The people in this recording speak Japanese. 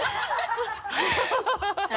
ハハハ